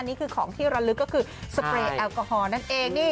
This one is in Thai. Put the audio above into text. นี่คือของที่ระลึกก็คือสเปรย์แอลกอฮอลนั่นเองนี่